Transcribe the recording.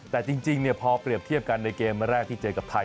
แต่จริงพอเปรียบเทียบกันในเกมแรกที่เจอกับไทย